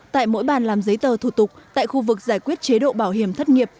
tại mỗi bàn làm giấy tờ thủ tục tại khu vực giải quyết chế độ bảo hiểm thất nghiệp